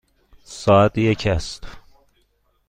ساعت یک است.